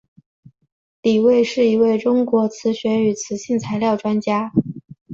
李卫是一位中国磁学与磁性材料专家。